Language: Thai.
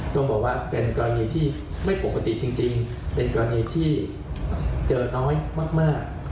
ต้องบอกว่าเป็นกรณีที่ไม่ปกติจริงเป็นกรณีที่เจอน้อยมาก